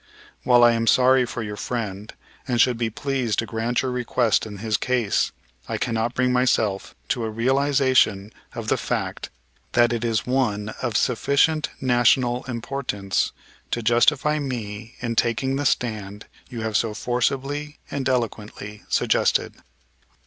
While I am sorry for your friend, and should be pleased to grant your request in his case, I cannot bring myself to a realization of the fact that it is one of sufficient national importance to justify me in taking the stand you have so forcibly and eloquently suggested."